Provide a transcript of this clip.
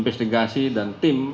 investigasi dan tim